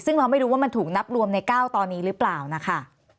ซึ่งเราไม่รู้ว่ามันถูกนับรวมใน๙ตอนนี้หรือเปล่านะคะ